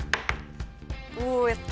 おおやった。